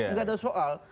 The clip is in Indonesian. nggak ada soal